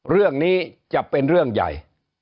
เรื่องนี้จะเป็นเรื่องใหญ่